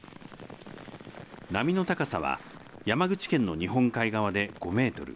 波の高さは山口県の日本海側で５メートル